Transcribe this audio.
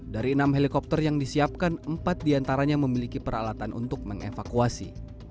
dari enam helikopter yang disiapkan empat diantaranya memiliki peralatan untuk mengevakuasi